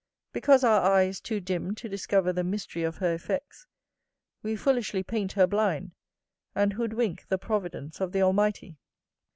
Because our eye is too dim to discover the mystery of her effects, we foolishly paint her blind, and hoodwink the providence of the Almighty.